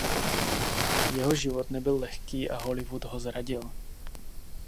Jeho život nebyl lehký a Hollywood ho zradil.